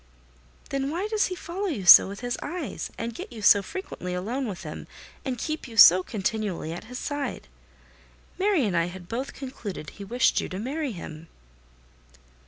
"Then why does he follow you so with his eyes, and get you so frequently alone with him, and keep you so continually at his side? Mary and I had both concluded he wished you to marry him."